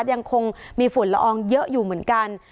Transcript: ยังคงมีฝุ่นละอองเยอะอยู่เหมือนกัน